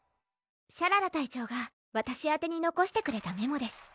シャララ隊長がわたし宛にのこしてくれたメモです